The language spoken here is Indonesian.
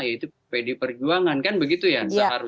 yaitu pd perjuangan kan begitu ya